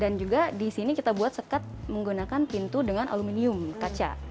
dan juga di sini kita buat sekat menggunakan pintu dengan aluminium kaca